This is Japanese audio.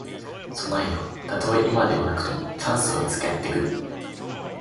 備えよ。たとえ今ではなくとも、チャンスはいつかやって来る。